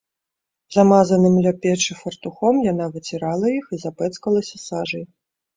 Замазаным ля печы фартухом яна выцірала іх і запэцкалася сажай.